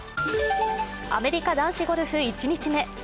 アメリカ男子ゴルフ１日目。